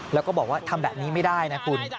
แล้วก็บอกว่าทำแบบนี้ไม่ได้นะคุณ